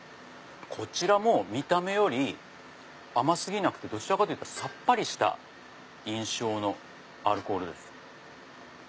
こちらも見た目より甘過ぎなくてどちらかというとさっぱりした印象のアルコールです。